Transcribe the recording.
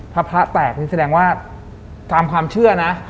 ถ้าพระแตกนี่แสดงว่าตามความเชื่อนะ